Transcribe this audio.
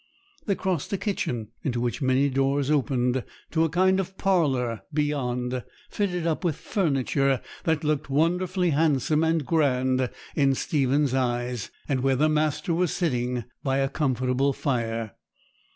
They crossed a kitchen, into which many doors opened, to a kind of parlour beyond, fitted up with furniture that looked wonderfully handsome and grand in Stephen's eyes, and where the master was sitting by a comfortable fire.